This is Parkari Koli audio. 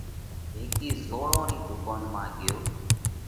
هيڪِي زوڙون رِي ڌُوڪونَ مانه ڳيو